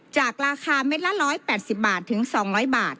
จากราคาเม็ดละ๑๘๐บาทถึง๒๐๐บาท